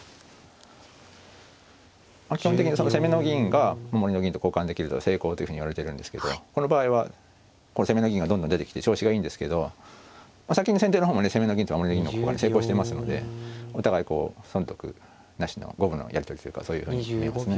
基本的に攻めの銀が守りの銀と交換できると成功というふうにいわれてるんですけどこの場合は攻めの銀がどんどん出てきて調子がいいんですけど先に先手の方も攻めの銀と守りの銀の交換に成功してますのでお互い損得なしの五分のやり取りというかそういうふうに見えますね。